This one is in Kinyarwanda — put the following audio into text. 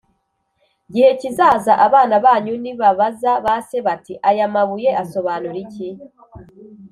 Gihe Kizaza Abana Banyu Nibabaza Ba Se Bati Aya Mabuye Asobanura Iki